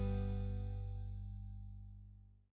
โปรดติดตามตอนต่อไป